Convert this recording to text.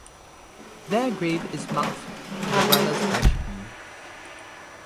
Their grave is marked The Brothers Ashby.